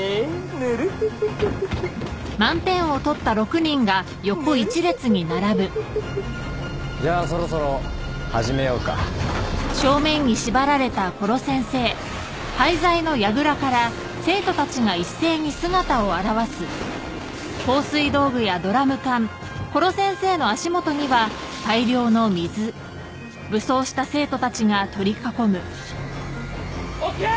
ヌルフフフフヌルフフフフじゃあそろそろ始めようかオッケー！